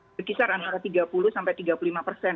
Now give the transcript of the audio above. berkisar antara tiga puluh sampai tiga puluh lima persen